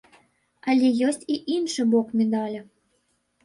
Але ёсць і іншы бок медаля.